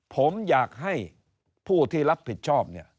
ผมอยากให้ผู้ที่รับผิดชอบเนี่ย